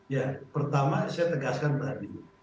ya pertama saya tegaskan tadi